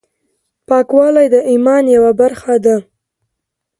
پاکوالی د ایمان یوه برخه ده۔